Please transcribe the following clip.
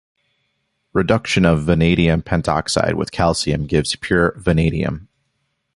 Reduction of vanadium pentoxide with calcium gives pure vanadium.